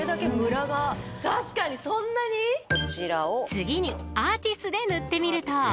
［次にアーティスで塗ってみると］